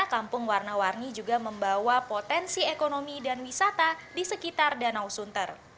kampung warna warni juga membawa potensi ekonomi dan wisata di sekitar danau sunter